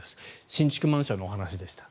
新築マンションのお話でした。